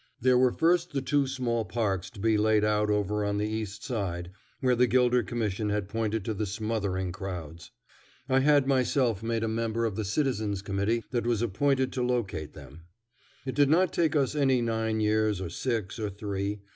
There were first the two small parks to be laid out over on the East Side, where the Gilder Commission had pointed to the smothering crowds. I had myself made a member of the Citizens' Committee that was appointed to locate them. It did not take us any nine years or six, or three.